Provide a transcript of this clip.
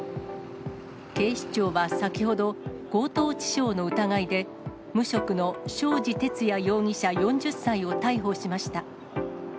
警視庁は先ほど、強盗致傷の疑いで、無職の庄司哲也容疑者４０歳を逮捕しました。